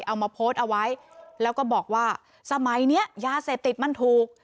เอามาโพสต์เอาไว้แล้วก็บอกว่าสมัยนี้ยาเสพติดมันถูก